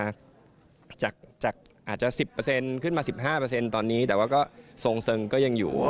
ขึ้นมาจากอาจจะ๑๐ขึ้นมา๑๕ตอนนี้แต่ว่าก็ทรงซึงก็ยังอยู่